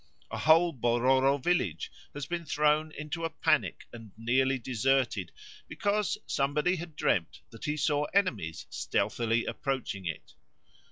A whole Bororo village has been thrown into a panic and nearly deserted because somebody had dreamed that he saw enemies stealthily approaching it.